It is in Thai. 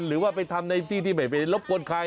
หรือว่าไปทำในที่ที่ไม่ไปรบกวนใคร